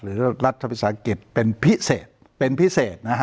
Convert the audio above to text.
หรือรัฐภิษฐศาสตร์อังกฤษเป็นพิเศษ